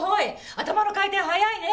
頭の回転早いね。